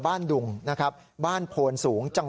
พระขู่คนที่เข้าไปคุยกับพระรูปนี้